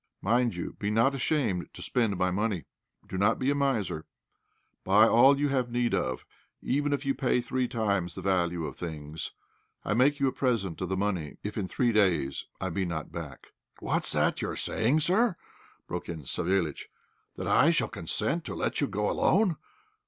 Mind you be not ashamed to spend my money; do not be a miser. Buy all you have need of, even if you pay three times the value of things. I make you a present of the money if in three days' time I be not back." "What's that you're saying, sir?" broke in Savéliitch; "that I shall consent to let you go alone?